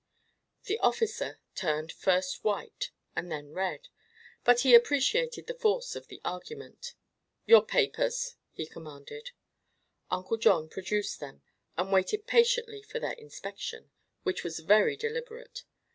The officer turned first white and then red, but he appreciated the force of the argument. "Your papers!" he commanded. Uncle John produced them and waited patiently for their inspection, which was very deliberate.